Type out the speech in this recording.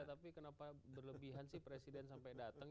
tapi kenapa berlebihan sih presiden sampai datang